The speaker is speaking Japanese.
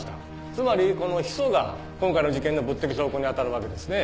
つまりこのヒ素が今回の事件の物的証拠に当たるわけですね。